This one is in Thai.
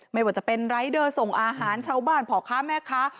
ไม่ว่าจะเป็นรายเดอร์ส่งอาหารชาวบ้านพ่อค้าแม่ค้า